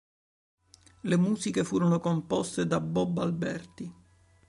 Le musiche furono composte da Bob Alberti.